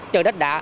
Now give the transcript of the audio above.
chở đất đạ